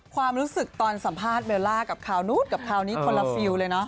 ความรู้สึกตอนสัมภาษณ์เมล่ากับข่าวนู้ดกับข่าวนี้ตลอดฟิวเลยเนอะ